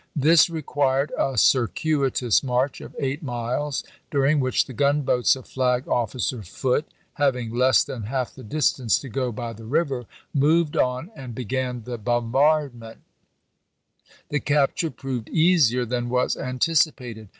This required a circuitous march of eight Mccier miles, during which the gunboats of Flag officer Rep^oit, Foote, having less than half the distance to go by 1862. 'w.r. ^ Vol. VII., the river, moved on and began the bombardment, pp 126 130. The capture proved easier than was anticipated.